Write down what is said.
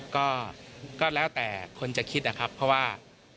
ก็แล้วแต่คนจะคิดนะครับเพราะว่า